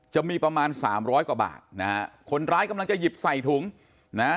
จะมีประมาณสามร้อยกว่าบาทนะฮะคนร้ายกำลังจะหยิบใส่ถุงนะฮะ